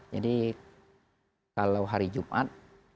jadi kalau hari jumat